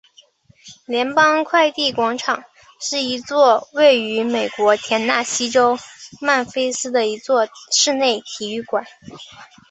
联邦快递广场是一座位于美国田纳西州曼菲斯的一座室内体育馆。